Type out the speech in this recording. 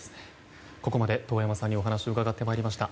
ここまで遠山さんにお話を伺ってまいりました。